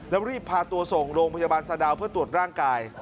แล้วรีบพาตัวส่งโรงพยาบาลสะดาวเพื่อตรวจร่างกาย